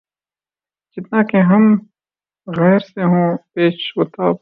جتنا کہ وہمِ غیر سے ہوں پیچ و تاب میں